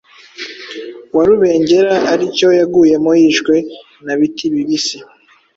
wa Rubengera ari cyo yaguyemo yishwe na Bitibibisi,